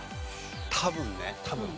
多分ね多分。